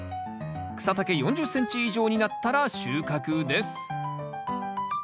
草丈４０ｃｍ以上になったら収穫です